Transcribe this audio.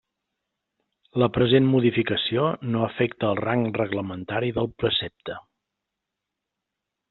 La present modificació no afecta el rang reglamentari del precepte.